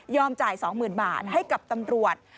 ยอมจ่ายสองหมื่นบาทให้กับตำรวจ